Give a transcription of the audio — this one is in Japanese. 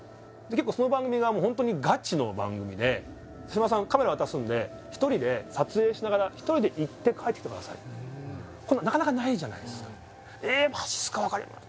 結構その番組がホントにガチの番組で「島田さんカメラ渡すんで１人で撮影しながら」「１人で行って帰ってきてください」となかなかないじゃないっすか「えっマジっすかわかりました」